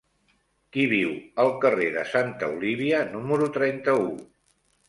Qui viu al carrer de Santa Olívia número trenta-u?